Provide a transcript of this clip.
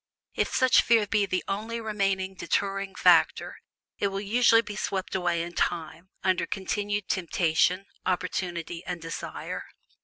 If such fear be the only remaining deterring factor, it will usually be swept away in time under continued temptation, opportunity, and desire.